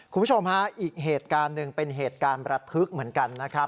คุณผู้ชมฮะอีกเหตุการณ์หนึ่งเป็นเหตุการณ์ประทึกเหมือนกันนะครับ